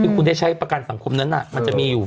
คุณได้ใช้ประกันสังคมนั้นมันจะมีอยู่